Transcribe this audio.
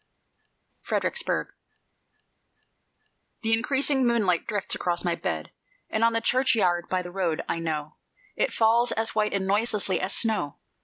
FREDERICKSBURG The increasing moonlight drifts across my bed, And on the churchyard by the road, I know It falls as white and noiselessly as snow....